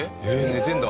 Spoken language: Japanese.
寝てるんだ。